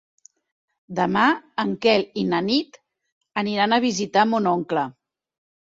Demà en Quel i na Nit aniran a visitar mon oncle.